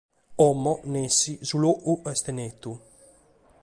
Como, nessi, su logu est netu.